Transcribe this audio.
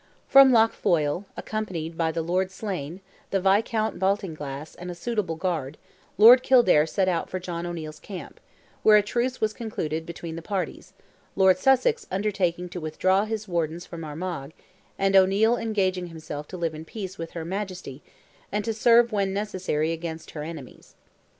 From Lough Foyle, accompanied by the Lord Slane, the Viscount Baltinglass, and a suitable guard, Lord Kildare set out for John O'Neil's camp, where a truce was concluded between the parties, Lord Sussex undertaking to withdraw his wardens from Armagh, and O'Neil engaging himself to live in peace with her Majesty, and to serve "when necessary against her enemies."